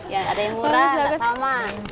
ya ada yang murah ada yang tak saman